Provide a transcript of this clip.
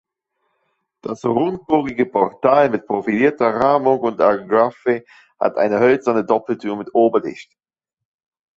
Das rundbogige Portal mit profilierter Rahmung und Agraffe hat eine hölzerne Doppeltür mit Oberlicht.